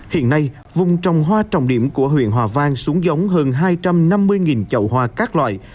hiện nay vùng trồng hoa trọng điểm của huyện hòa vang xuống giống hơn hai trăm năm mươi chậu hoa các loại